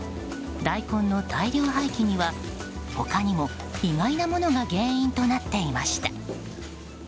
大根の大量廃棄には他にも意外なものが原因となっていました。